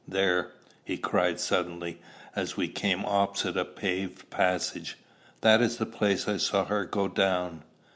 There," he cried suddenly, as we came opposite a paved passage, "that is the place I saw her go down."